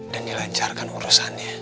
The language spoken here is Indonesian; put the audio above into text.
dan dilancarkan urusannya